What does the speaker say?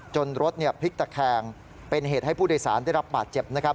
รถพลิกตะแคงเป็นเหตุให้ผู้โดยสารได้รับบาดเจ็บนะครับ